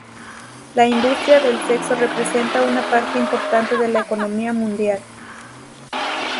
La industria del sexo representa una parte importante de la economía mundial.